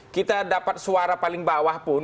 kita dapat suara paling bawah pun